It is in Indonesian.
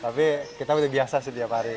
tapi kita lebih biasa setiap hari